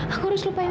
aku harus lupain